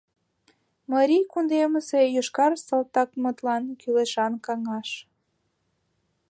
МАРИЙ КУНДЕМЫСЕ ЙОШКАР САЛТАКМЫТЛАН КӰЛЕШАН КАҤАШ